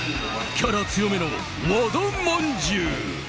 キャラ強めの和田まんじゅう。